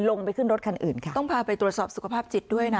ไปขึ้นรถคันอื่นค่ะต้องพาไปตรวจสอบสุขภาพจิตด้วยนะ